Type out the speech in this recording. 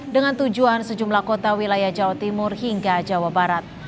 dengan tujuan sejumlah kota wilayah jawa timur hingga jawa barat